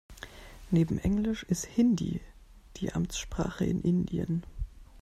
Neben englisch ist Hindi die Amtssprache in Indien.